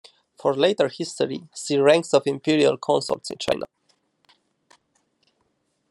For later history, see Ranks of imperial consorts in China.